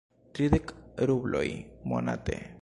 Tridek rubloj monate.